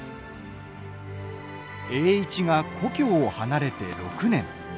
栄一が故郷を離れて６年。